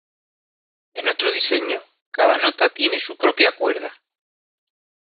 En otro diseño, cada nota tiene su propia cuerda.